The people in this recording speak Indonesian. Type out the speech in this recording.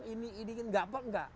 ini ini ini enggak